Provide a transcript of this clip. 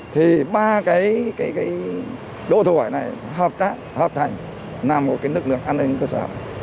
thì ba cái đội thủy này hợp tác hợp thành nằm một cái lực lượng an ninh cơ sở